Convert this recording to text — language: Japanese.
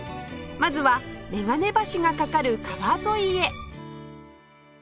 まずは眼鏡橋が架かる川沿いへ